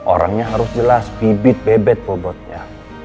orangnya harus jelas bibit bebek bobotnya